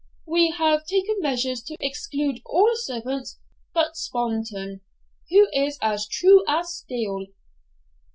We have taken measures to exclude all servants but Spontoon, who is as true as steel.'